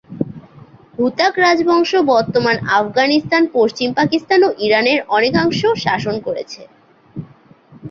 হুতাক রাজবংশ বর্তমান আফগানিস্তান, পশ্চিম পাকিস্তান ও ইরানের অনেকাংশ শাসন করেছে।